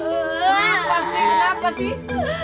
lupa sih kenapa sih